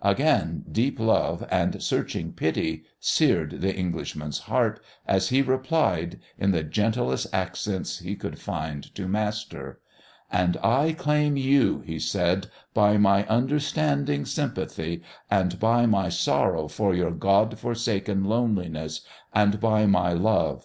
Again, deep love and searching pity seared the Englishman's heart as he replied in the gentlest accents he could find to master: "And I claim you," he said, "by my understanding sympathy, and by my sorrow for your God forsaken loneliness, and by my love.